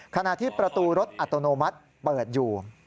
ขณะที่ประตูรถอัตโนมัติเปิดอยู่